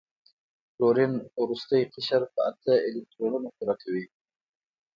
کلورین وروستی قشر په اته الکترونونه پوره کوي.